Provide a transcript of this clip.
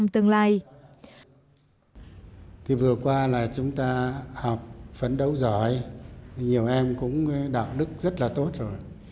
thì vừa qua là chúng ta học phấn đấu giỏi thì nhiều em cũng đạo đức rất là tốt rồi